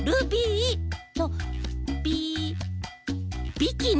「ビキニ」。